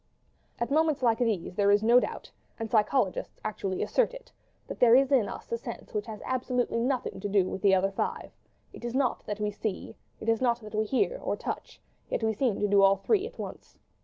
At moments like these there is no doubt—and psychologists actually assert it—that there is in us a sense which has absolutely nothing to do with the other five: it is not that we see, it is not that we hear or touch, yet we seem to do all three at once.